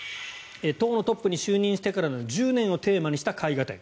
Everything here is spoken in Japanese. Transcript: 党のトップに就任してからの１０年をテーマにした絵画展。